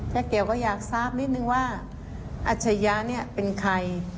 เจ๊เกียวก็อยากทราบนิดนึงว่าอาชญานี่เป็นใคร